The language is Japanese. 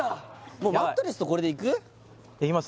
もうマットレスとこれでいく？いきます？